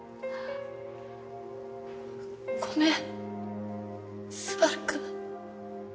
ごめん昴くん。